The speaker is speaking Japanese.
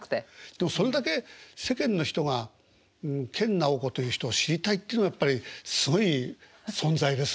でもそれだけ世間の人が研ナオコという人を知りたいっていうのがやっぱりすごい存在ですね。